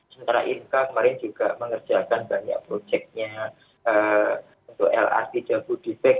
sementara inkr kemarin juga mengerjakan banyak proyeknya untuk lrt jabu dipak